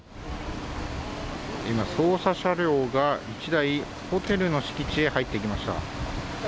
今、捜査車両が１台、ホテルの敷地へ入っていきました。